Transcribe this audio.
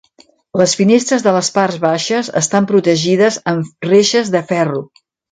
Les finestres de les parts baixes estan protegides amb reixes de ferro.